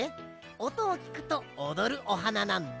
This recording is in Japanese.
おとをきくとおどるおはななんだ。